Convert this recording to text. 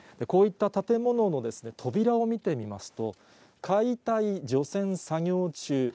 こういった建物の扉を見てみますと、解体除染作業中。